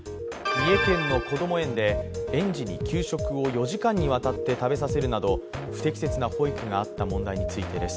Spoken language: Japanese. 三重県のこども園で園児に給食を４時間にわたって食べさせるなど不適切な保育があった問題についてです。